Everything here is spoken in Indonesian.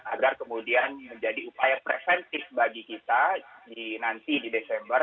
agar kemudian menjadi upaya preventif bagi kita di nanti di desember